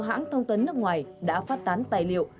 một số hãng thông tấn nước ngoài đã phát tán tài liệu